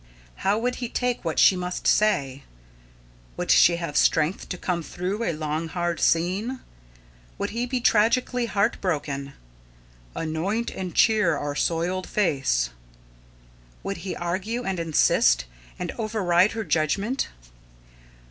How would he take what she must say? Would she have strength to come through a long hard scene? Would he be tragically heart broken? "Anoint and cheer our soiled face" Would he argue, and insist, and override her judgment?